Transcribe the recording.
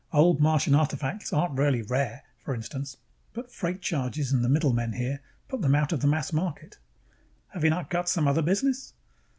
Old Martian artifacts aren't really rare, for instance, but freight charges and the middlemen here put them out of the mass market." "Have you not got some other business?"